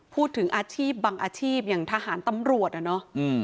พูดถึงอาชีพบางอาชีพอย่างทหารตำรวจอะเนาะ